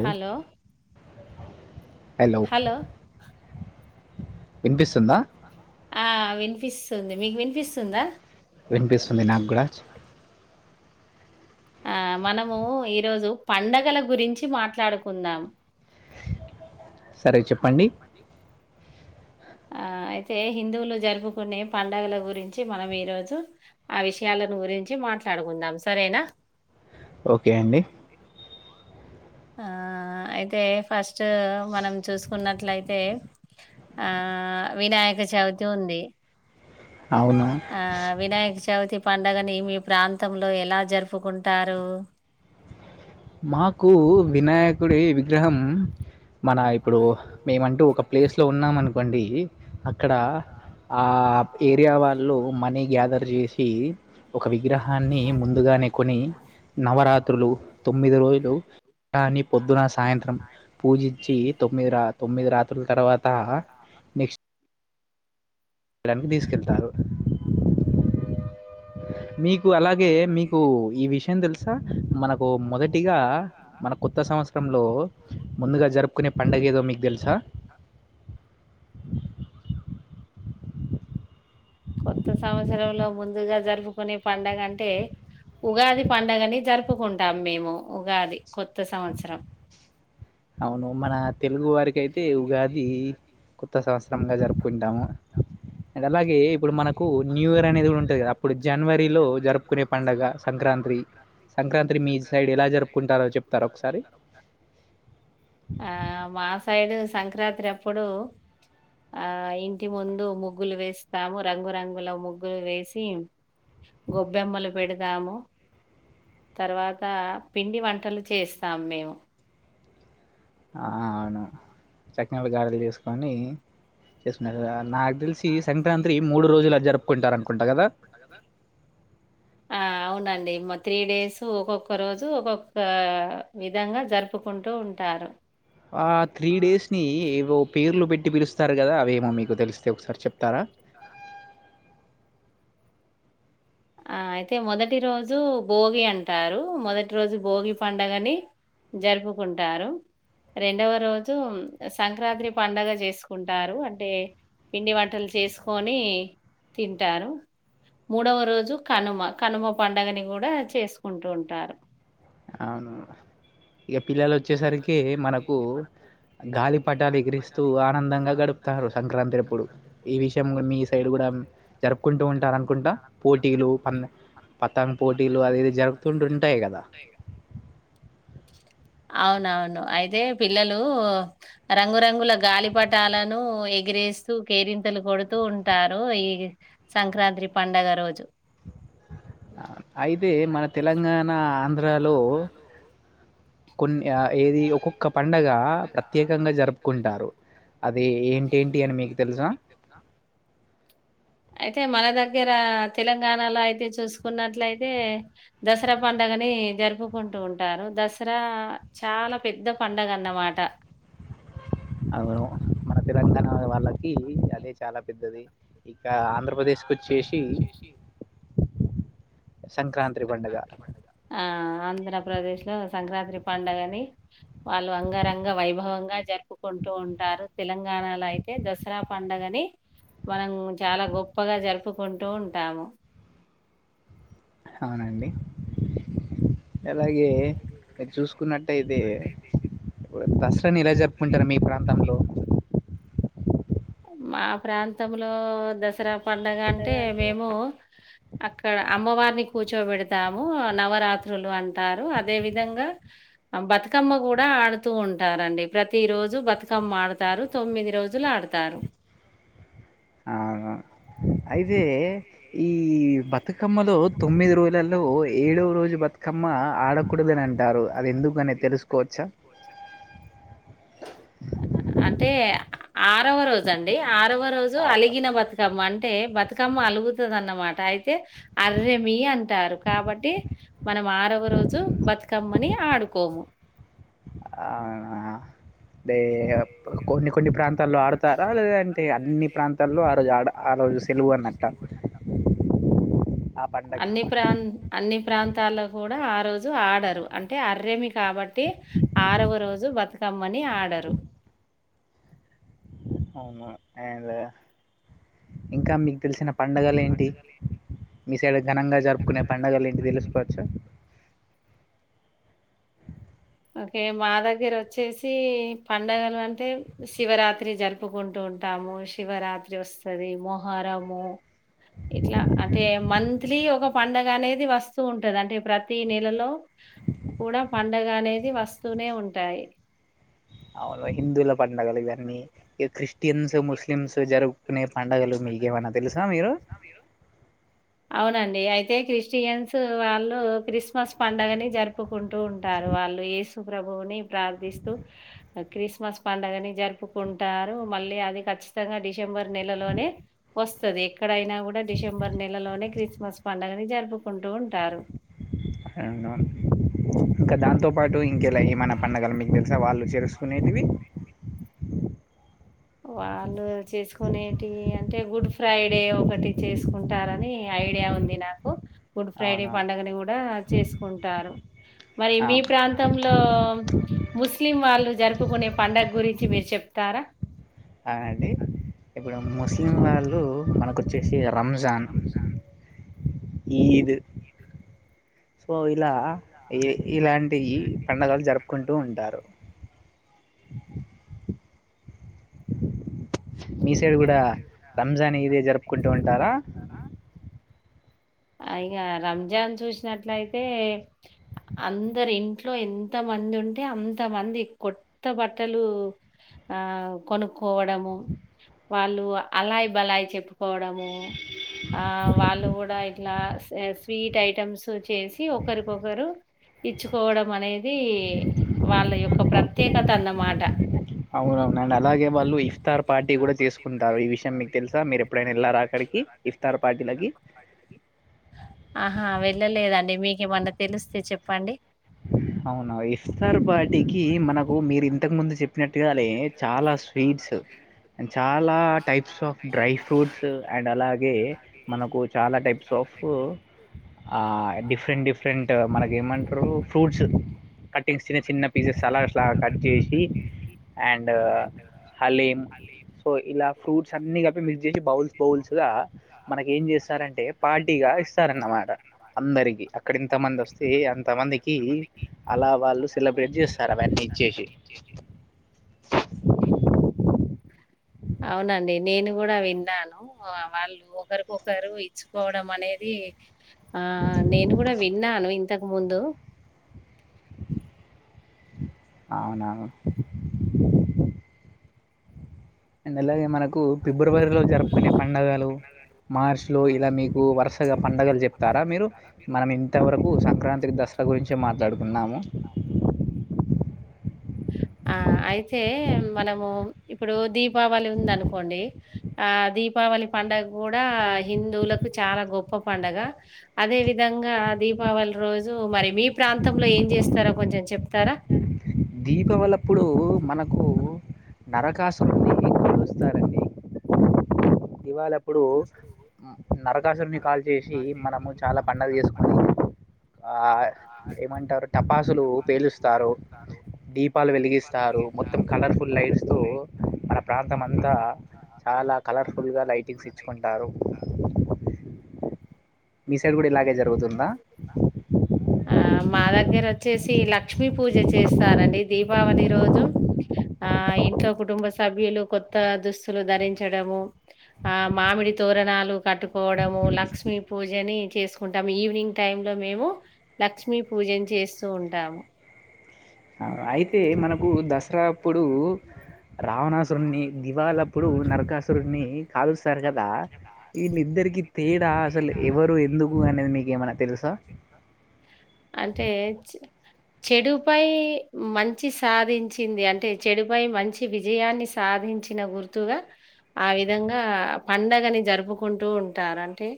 Hello hello వినిపిస్తుందా ఆ వినిపిస్తుంది. మీకు వినిపిస్తుందా వినిపిస్తుంది నాక్గూడా ఆ మనమూ ఈరోజు పండగల గురించి మాట్లాడుకుందాం. సరే చెప్పండి ఆ ఆ అయితే హిందువులు జరుపుకునే పండగల గురించి మనం ఈ రోజు ఆ విషయాలను గురిం చి మాట్లాడుకుందాం సరేనా. ఓకే అండి ఆ అయితే ఫస్టూ మనం చూసుకున్నట్లయితే. ఆ వినాయక చవితి ఉందీ. అవును ఆ వినాయక చవితి పండగని మీ ప్రాంతంలో ఎలా జరుపుకుంటారూ. మాకూ వినాయకుడీ విగ్రహం. మనా ఇప్పుడూ మేమంటూ ఒక ప్లేస్లో ఉన్నామనుకోండీ అక్కడా ఆ ఏరియా వాళ్ళూ మనీ గ్యాదర్ చేశీ ఒక విగ్రహాన్ని ముందుగానే కొనీ నవరాత్రులు తొమ్మిది రోజులు. దాన్ని పొద్దునా సాయంత్రం పూజించీ తొమ్మిది రాత్ తొమ్మిది రాత్రుల్ తర్వాతా. నెక్స్ట్ ళానికి తీసుకెళ్తారు. మీకు అలాగే మీకూ ఈ విషయం తెలుసా మనకు మొదటిగా మన కొత్త సం సంవత్సరంలో ముందుగా జరుపుకునే పండగ ఏదో మీక్ తెల్సా. కొత్త సంవత్సరంలో ముందుగా జరుపుకునే పండగ అంటే ఉగాది పండగని జరుపుకుంటాం మేము ఉగాది కొత్త సంవత్సరం అవును మన తెలుగు వారికి అయితే ఉగాది కొత్త సంవ త్సరంగా జరుపుకుంటాము అలా గే ఇప్పుడు మనకు న్యూ ఇయర్ అనేది కూడా ఉంటది కదా అప్పుడు జనవరిలో జరుపుకునే పండుగ సంక్రాంత్రి సంక్రాంత్రి మీ సైడ్ ఎలా జరుపుకుంటారో చెప్తారా ఒకసారి ఆ మా సై డు సంక్రాంత్రి అప్పుడు ఆ ఇంటి ముందు ముగ్గులు వే స్తాము రంగురంగుల ముగ్గులు వేసి గొబ్బెమ్మలు పెడతాము తర్వాత పిండి వంటలు చేస్తాం మేము ఆ అవును చక్నలు గారెలు చేసుకొని చేసుకున్నక నా జరుపుకుంటారనుకుంటా గదా! ఆ అవు నండి త్రీ డేసు ఒక్కొక్క రోజు ఒక్కొక్క విధంగా జరుపుకుంటూ ఉంటారు ఆ త్రీ డేస్ని ఏవో పేర్లు పెట్టి పిలుస్తారు కదా అవేమో మీకు తెలిస్తే ఒకసారి చెప్తారా ఆ అయితే మొదటి రోజు భోగి అంటారు మొదటి రోజు భోగి పండగని జరుపుకుంటారు రెండవ రోజు సంక్రాత్రి పండగ చేసుకుంటారు అంటే పిండి వంటలు చేసుకొని తింటారు మూడవ రోజు కనుమ కనుమ పండగని కూడా చేసుకుంటుంటరు అవును. ఇగ పిల్లలు వచ్చేసరికి మనకు గాలి పటాలు ఎగిరేస్తూ ఆనందంగా గడుపుతారు సంక్రాంత్రి అప్పుడు ఈ విషయం మీ సైడ్ కూడా జరుపుకుంటూ ఉంటారునుకుంటా పోటీలు ప పత్తంగ్ పోటీలు అది ఇది జరుపుతుం ఉంటాయి కదా అవు నవును అయితే పిల్లలు రంగురంగుల గాలిపటాలను ఎగిరేస్తూ కేరింతలు కొడుతూ ఉంటారు ఈ సంక్రాంత్రి పండగ రోజు అయితే మన తెలంగాణ ఆంధ్రాలో కొన్ని ఆ ఏది ఒక్కొక్క పండగ ప్రత్యేకంగా జరుపుకుంటారు అది ఏంటేంటి అని మీకు తెలుసా అయి తే మన దగ్గర తెలంగాణలో అయితే చూసుకున్నట్లయితే దసరా పండగని జరుపుకుంటూ ఉంటారు దసరా చాలా పెద్ద పండగ అన్నమాట అవును మన తెలంగాణ వాళ్ళకి అదే చాలా పెద్దది ఇక ఆంధ్రప్రదేశ్ ఆంధ్రప్రదేశ్‌కి వచ్చేసి సంక్రాంతి పండుగ ఆ ఆంధ్రప్రదేశ్లో సంక్రాత్రి పండగని వాళ్ళు అంగరంగ వైభవంగా జరుపుకుంటూ ఉంటారు తెలంగాణలో అయి తే దసరా పండగని మనం చాలా గొప్పగా జరుపుకుంటూ ఉంటాము అవునండి అలాగే మీరు చూసుకున్నట్టయితే ఇప్పుడు దస రని ఎలా జరుపుకుంటారు మీ ప్రాంతంలో మా ప్రాంతంలో దసరా పండగ అంటే మేము అక్కడ అమ్మవారీ నీ కూర్చోబెడతాము నవరాత్రులు అంటారు అదే విధంగా అ బతుకమ్మ కూ డా ఆడుతూ ఉంటారండి ప్రతి రోజు బతుకమ్మ ఆడుతారు తొమ్మిది రోజులు ఆడ్ తారు అవును అయితే ఈ బత్ బతుకమ్మలో తొమ్మిది రోజులలో ఏడవ రోజు బతుకమ్మ ఆడకూడదని అంటారు అది ఎందుకని తెలుసుకోవచ్చా అంటే ఆరవ రోజు అండి ఆరవ రోజు అలిగిన బతుకమ్మ అన్ టే బతుకమ్మ అలుగుతుంది అన్నమాట అయితే అర్రేమీ అంటారు కాబట్టి మనం ఆరవ రోజు బతుకమ్మని ఆడుకోము ఆ ఆ దే కొన్ని కొన్ని ప్రాంత్ తలో ఆడతారా లేదంటే అన్ని ప్రాంతాల్లో ఆ రోజు ఆడ ఆ రోజు సెలవు అన్నట్ట ఆ పండగకి అన్ని ప్రాం అన్ని ప్రాం తలో కూడా ఆ రోజు ఆడరు అంటే అర్రేమీ కాబట్టి ఆరవ రోజు బతుకమ్మని నీ ఆడరు అవునా ఏం లే ఇంకా మీకు తెలిసిన పండగల్ ఏంటి మీ సైడ్ ఘనంగా జరుపుకునే పండగలు ఏంటి తెలుసుకోవచ్చా ఓకే మా దగ్గర వచ్చేసి పండగలు అంటే శివరాత్రి జరుపుకుంటూ ఉంటా టాము శివరాత్రి వస్తుది మోహరము ఇట్లా అంటే మంత్లీ ఒక పండగ అనేది వస్తూ ఉంటది అంటే ప్రతి నెలలో కూడా పండగ అనేది వస్తూనే ఉంటాయి అవునులే హిందువుల పండగలు ఇవన్నీ ఇగ క్రిస్టియన్స్ ముస్లిమ్స్ జరుపుకునే పండుగలు నీకేమైనా తెలుసా మీరు [inaudible] అవునండి అయితే క్రిస్టియన్స్ వాళ్ళు క్రిస్మస్ పండుగని జరుపుకుంటూ ఉంటారు వాళ్ లు ఏసు ప్రభువుని ప్రార్థిస్తూ క్రిస్మస్ పడుగని జరుపుకుంటా రు మళ్ళీ అది కచ్చితంగా డిసెంబర్ నెలలోనే వస్తది ఎక్కడైనా కూడా డిసెంబర్ నెలలోనే క్రిస్మస్ పండుగని జరుపుకుంటూ ఉం ఏం రో ఇంకా దాంతో పాటు ఇంకెలా ఏమైనా పండగలు మీకు తెలుసా వాళ్ళు చేసుకునేటివి వాళ్ళు చేసుకునేటివి అం టే గుడ్ ఫ్రైడే ఒకటి చేసుకుంటారని ఐడియా ఉంది నాకు గుడ్ ఫ్రైడే అవునా పండుగని కూడా చేసుకుంటారు మరి మీ ప్రాంతంలో ముస్లిం వాళ్ళు జరుపుకునే పండగ గురించి మీరు చెప్ తారా ఆ అండి ఇప్పుడు ముస్లిం వాళ్ళు మనకు వచ్చేసి రమజాన్ ఈద్ సో ఇలా ఈ ఇలాంటియి పండగలు జరుపుకుంటూ ఉంటారు మీ సైడ్ కూడా రంజాన్ ఇదే జరుపుకుంటూ ఉంటారా అయ్యా రంజాన్ చూసినట్లయితే అందరూ ఇంట్లో ఎంత మంది ఉంటే అంత మంది కొత్త బట్టలు ఆ కొనుక్కోవడంము వాళ్ళు అలాయి బలాయి చెప్పుకోవడము ఆ వాళ్ళు కూడా అట్లా స్వీట్ ఐటమ్స్ చేసి ఒకరికొకరు ఇచ్చుకోవడం అనేది నేది వాళ్ళ యొక్క ప్రత్యేకత అన్న మాట అవునవునండి నేను అలాగే వాళ్ళు ఇఫ్తార్ పార్టీ కూడా చేసుకుంటారు ఈ విషయం మీకు తెలుసా మీరు ఎప్పుడైనా వెళ్ళార అక్కడికి ఇఫ్తార్ పార్టీ లకి ఆహా వెళ్ళలేదండి మీకేమన్నా తెలిస్తే చెప్పండి అవునా ఇఫ్తార్పార్టీకి మనకు మీరు ఇంతకు ముందు చెప్పినట్టుగా అదే చాలా స్వీడ్స్ అండ్ చాలా types of dry fruits and అలాగే మనకు చాలా టైప్స్ ఆఫ్ డిఫరెంట్ డిఫరెంట్ మనక ఏమంటారు ఫ్రూట్స్ కట్టింగ్స్ చిన్న చిన్న పీసెస్ అలా అలాగా కట్ చేసి అండ్ హలీం సో ఇలా ఫ్రూట్స్ అన్ని కప్ప మిక్స్ చేసి బౌల్స్ బౌల్స్ గా మనకు ఏం చేస్తారంటే పార్టీగా ఇస్తారన్నమాట అందరికి అక్కడ ఇంత మంది వస్తే అంత మందికి అలా వాళ్ళు సెలబ్రేట్ చేస్తారు. అవన్నీ ఇచ్చేసి అవునండి నేను కూడా విన్నాను వాళ్ళు ఒకరికొకరు ఇచ్చుకోవడం అనేది ఆ నేను కూడా విన్నాను ఇంతకు ముందు అవున అండ్ అలాగే మనకు ఫిబ్రవరిలో జరుపుకునే పండుగలు మార్చి లో ఇలా మీకు వరుసగా పడుగలు చెప్తారా మీరు మనం ఇంతవరకు సంక్రాంతి దసారా గురించే మాట్లాడుకున్నాము ఆ అయితే మనము ఇప్పుడు దీపావళి ఉంది అనుకోండి ఆ దీపా దీపావళి పండుగ కూడా హిందువులకు చాలా గొప్ప పంండగ అదే విధంగా దీ దిపావళి రోజు మరి మీ ప్రాంతంలో ఏం చేస్తారా కొంచెం చెప్తారా దీపావలి ఆప్పుడు మనకు నరకాసురున్ని కలుస్తూ స్తారండి వాళ్ళప్పుడు నరకాసురిని కాల్చేసి మనము చాలా పండగ చేసుకుంటం ఆ ఏమంటారు టపాసులు పేలుస్తారు దీపాలు వెలిగిస్తారు మొత్తం కలర్ఫుల్ లైట్స్ తో మన ప్రాంతం అంతా చాలా కలర్ఫుల్గా లైటింగ్స్ ఇచ్చుకుంటారు మీ సైడ్ కూడా ఇలాగే జరుగుతుందా ఆ మాద దగ్గర వచ్చేసి లక్ష్మీ పూజ చేస్తారండి. దీపావళి రోజు ఆ ఇంట్లో కుటుంబ సభ్యులు కొత్త దుస్తులు ధరించడము ఆ మామిడి తోరణాలు కట్టుకోవడము లక్ష్మీ పూజని చేసుకుంటాము. ఈవినింగ్ టైంలో మేము లక్ష్మీ పూజను చేస్తూ ఉంటాము. ఆయి అయితే మనకు దసరా అప్పుడు రావణాసురున్నీ దివాలీ అప్పుడు నరకాసురున్నీ కాలుస్తారు కదా వీళ్ళిద్దరికి తేడా అసలు ఎవరు ఎందుకు అనేది మీకు ఏమన్నా అంటే చెడు పై మంచి మంచి సాధించింది అంటే చెడుపై మంచి విజయాన్ని సాధించిన గుర్తుగా ఆ విధంగా పండగని జరుపుకుంటూ ఉంటారు, అంటే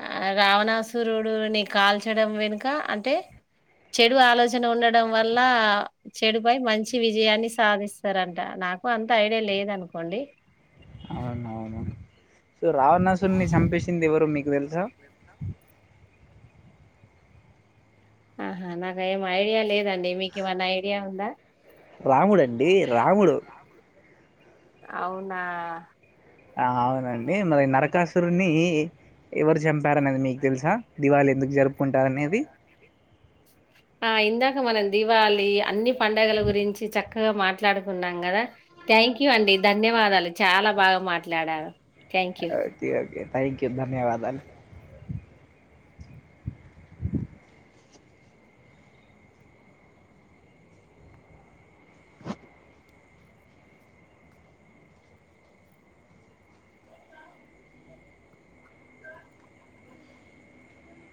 ఆ రావణాసురుడుని కాల్చడం వెనుక, అంటే చెడు ఆలోచన ఉండడం వల్ల. చెడుపై మంచి విజయాన్ని సాధిస్తారంట, నాకు అంత ఐడియా లేదనుకోండి. అవును అవును. సో రావణాసురిడిని చంపిసింది ఎవరు మీకు తెలుసా? ఆహా నాగేమో ఐడియా లేదం టె మీకేమన్నా ఐడియా ఉందా? రాముడు అండి రాముడు అవునా. ఆ అవునండి మరి నరకాసురున్ని ఎవరు చంపారన్నది మీకు తెలుసా, దివాళి ఎందుకు జరుపుకుంటారు అనేది? ఆ ఇందాక మనం దీపాళి అన్ని పండగల గురించి చక్కగా మాట్లాడుకున్నాం కదా, థాంక్ థ్యాంక్ యూ అండి ధన్యవాదాలు, చాలా బాగా మాట్లాడారు. థ్యాంక్ యూ ఓక ఓకే థ్యాంక్, ధన్యవాదాలు